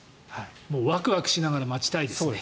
ワクワクしながら待ちたいですね。